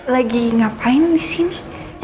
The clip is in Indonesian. lagi ngapain di sini